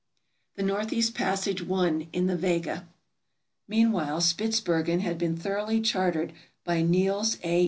The Northeast Passage Won in the "Vega" Meanwhile Spitzbergen had been thoroughly charted by Nils A.